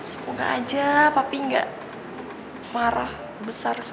semoga aja papi gak marah besar sama gue